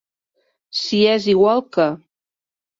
Si és igual que.